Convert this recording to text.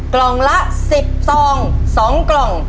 กล่องละ๑๐ซอง๒กล่อง